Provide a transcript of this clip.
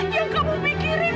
yang kamu pikirin